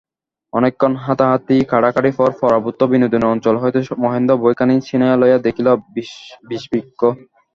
অনেকক্ষণ হাতাহাতি-কাড়াকাড়ির পর পরাভূত বিনোদিনীর অঞ্চল হইতে মহেন্দ্র বইখানি ছিনাইয়া লইয়া দেখিল–বিষবৃক্ষ।